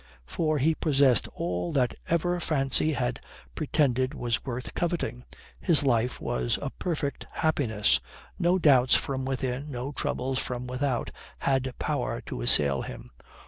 For he possessed all that ever fancy had pretended was worth coveting: his life was a perfect happiness. No doubts from within, no troubles from without, had power to assail him.